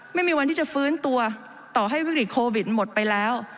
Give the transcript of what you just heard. ไม่มีวันที่จะฟื้นตัวต่อให้วิกฤตโควิดหมดไปแล้ว